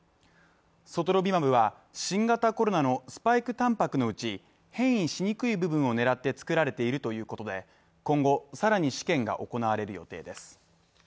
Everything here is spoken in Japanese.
ソトロビマブは新型コロナのスパイクたんぱくのうち変異しにくい部分を狙って作られているということで今後、更に試験が行われる予定です。